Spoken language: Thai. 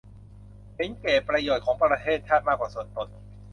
เห็นแก่ประโยชน์ของประเทศชาติมากกว่าส่วนตน